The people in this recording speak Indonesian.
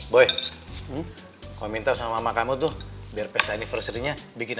boy kau minta sama mama kamu tuh biar pesta anniversary nya bikin aja